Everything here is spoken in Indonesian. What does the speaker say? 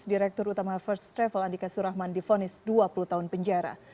direktur utama first travel andika surahman difonis dua puluh tahun penjara